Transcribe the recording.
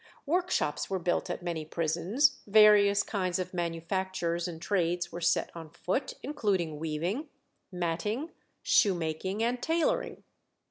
Workshops were built at many prisons, various kinds of manufactures and trades were set on foot, including weaving, matting, shoe making, and tailoring.